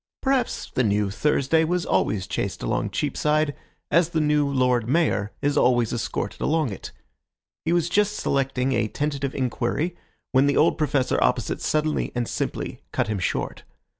Perhaps the new Thursday was always chased along Cheapside, as the new Lord Mayor is always escorted along it. He was just selecting a tentative inquiry, when the old Professor opposite suddenly and simply cut him short.